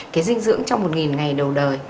cái dinh dưỡng trong một ngày đầu đời